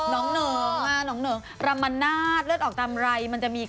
น้องเหนิงมาน้องเหนิงรามนาดเลือดออกตามไร